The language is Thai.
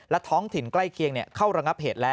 และท้องถิ่นใกล้เคียง